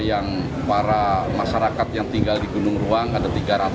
yang para masyarakat yang tinggal di gunung ruang ada tiga ratus